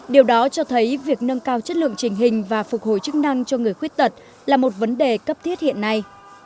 điều đó cho thấy việc nâng cao chất lượng trình hình và phục hồi chức năng cho người khuyết tật là một vấn đề cấp thiết hiện nay